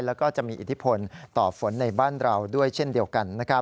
แล้วก็จะมีอิทธิพลต่อฝนในบ้านเราด้วยเช่นเดียวกัน